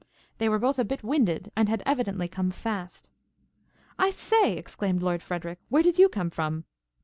They were both a bit winded and had evidently come fast. "I say," exclaimed Lord Frederic, "where did you come from?"